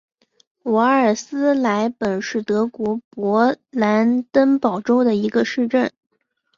瓦尔斯莱本是德国勃兰登堡州的一个市镇。